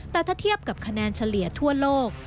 แต่ถ้าเทียบกับคะแนนเฉลี่ยทั่วโลก